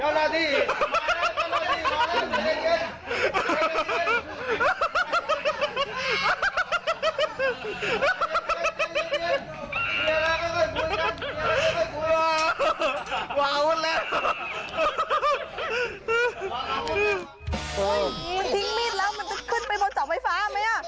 มันทิ้งมีดแล้วมันต้องขึ้นไปบนจอบไฟฟ้ามั้ย